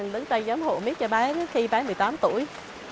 đứng tay nhấm hộ miết cho bé khi bé một mươi tám tuổi